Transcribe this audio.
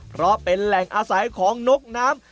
เพราะเป็นแหล่งอาศัยของนกน้ำ